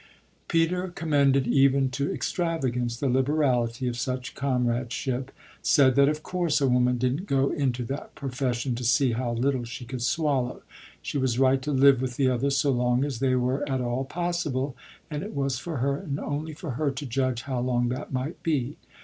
Peter commended even to extravagance the liberality of such comradeship; said that of course a woman didn't go into that profession to see how little she could swallow. She was right to live with the others so long as they were at all possible, and it was for her and only for her to judge how long that might be.